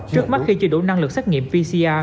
trước mắt khi chưa đủ năng lực xét nghiệm pcr